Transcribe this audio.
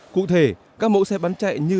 cụ thể các mẫu xe bán chạy như